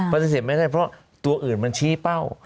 ปฏิเสธไม่ได้เพราะตัวอื่นมันชี้เป้า